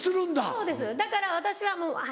そうですだから私はあぁ